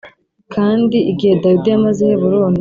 Kandi igihe Dawidi yamaze i Heburoni